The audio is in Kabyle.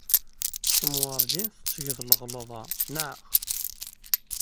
Kemm werǧin tettged lɣelḍa, naɣ?